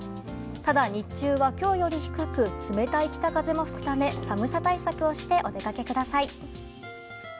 ただ、日中は今日より低く冷たい北風も吹くため寒さ対策をしてお出かけください。